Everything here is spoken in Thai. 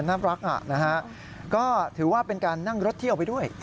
น่ารักนะฮะก็ถือว่าเป็นการนั่งรถเที่ยวไปด้วย